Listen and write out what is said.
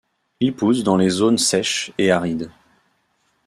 Il pousse dans les zones sèches et arides.